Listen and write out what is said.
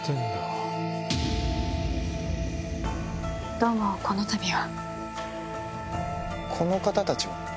どうもこのたびは。